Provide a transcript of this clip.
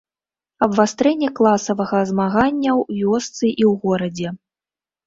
Абвастрэнне класавага змаганняў вёсцы і ў горадзе.